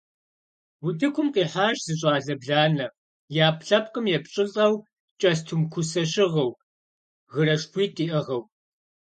Утыкум къихьащ зы щӏалэ бланэ, и ӏэпкълъэпкъым епщӏылӏэу кӏэстум кусэ щыгъыу, гырэшхуитӏ иӏыгъыу.